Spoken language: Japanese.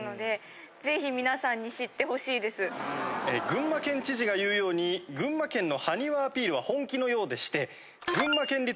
群馬県知事が言うように群馬県の埴輪アピールは本気のようでして。